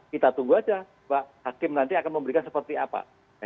kita tunggu aja pak hakim nanti akan memberikan seperti apa